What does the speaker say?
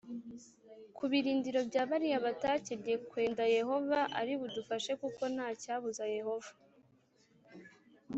ku birindiro bya bariya batakebwe k Wenda Yehova ari budufashe kuko nta cyabuza Yehova